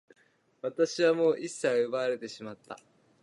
私はもう一切を奪われてしまった。